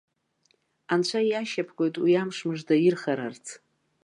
Анцәа иашьапкуеит уи амш мыжда ирхарарц.